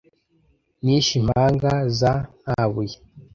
nishe impanga za ntabuye,